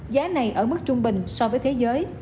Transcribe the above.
giá này ở mức trung bình so với thế giới